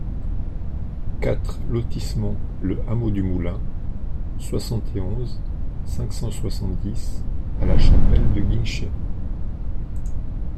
quatre lotissement Le Hameau du Moulin, soixante et onze, cinq cent soixante-dix à La Chapelle-de-Guinchay